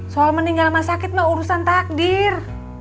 soal meninggal sama sakit mbak urusan takdir